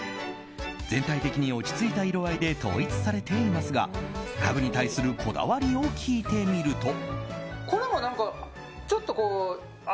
全体的に落ち着いた色合いで統一されていますが家具に対するこだわりを聞いてみると。